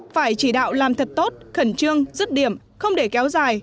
phải chỉ đạo làm thật tốt khẩn trương rứt điểm không để kéo dài